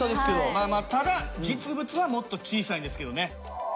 まあまあただ実物はもっと小さいんですけどね。